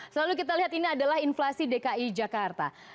selalu kita lihat ini adalah inflasi dki jakarta